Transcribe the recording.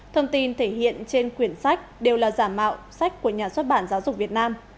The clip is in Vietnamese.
thông tin thể hiện trên quyển sách đều là giả mạo sách của nhà xuất bản giáo dục việt nam